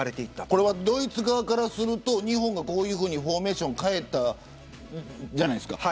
これはドイツ側からすると日本がこういうふうにフォーメーションを変えたじゃないですか。